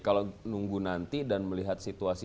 kalau nunggu nanti dan melihat situasi